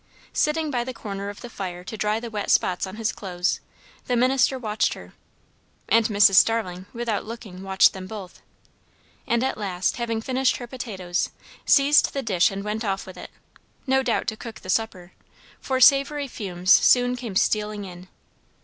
Sitting by the corner of the fire to dry the wet spots on his clothes, the minister watched her. And Mrs. Starling, without looking, watched them both; and at last, having finished her potatoes, seized the dish and went off with it; no doubt to cook the supper, for savoury fumes soon came stealing in.